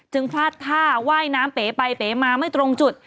พลาดท่าว่ายน้ำเป๋ไปเป๋มาไม่ตรงจุด